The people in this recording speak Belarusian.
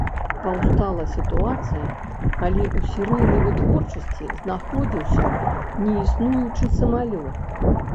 Паўстала сітуацыя калі ў серыйнай вытворчасці знаходзіўся неіснуючы самалёт.